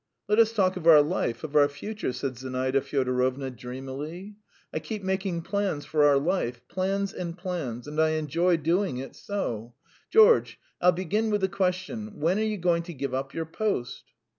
"Let us talk of our life, of our future," said Zinaida Fyodorovna dreamily. "I keep making plans for our life, plans and plans and I enjoy doing it so! George, I'll begin with the question, when are you going to give up your post?"